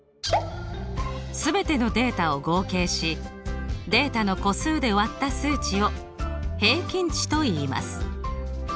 全てのデータを合計しデータの個数で割った数値を平均値といいます。